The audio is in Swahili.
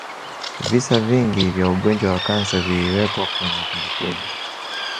visa vingi vya ugonjwa wa kansa viliwekwa kwenye kumbukumbu